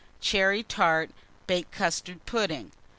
Cherry tart, baked custard pudding.